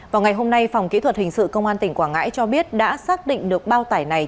vào ngày hôm nay phòng kỹ thuật hình sự công an tỉnh quảng ngãi cho biết đã xác định được bao tải này